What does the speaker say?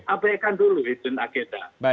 apaikan dulu hidden agenda